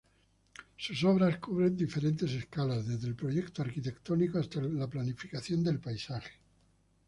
Sus obras, cubren diferentes escalas, desde el proyecto arquitectónico hasta la planificación del paisaje.